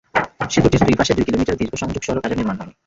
সেতুটির দুই পাশে দুই কিলোমিটার দীর্ঘ সংযোগ সড়ক আজও নির্মাণ করা হয়নি।